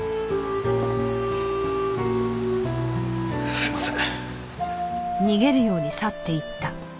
すいません。